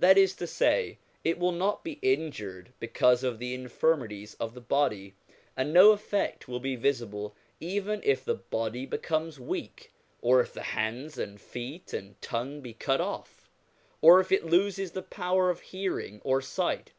That is to say, it will not be injured because of the infirmities of the body, and no effect will be visible even if the body becomes weak, or if the hands and feet and tongue be cut off, or if it loses the power of hearing or sight.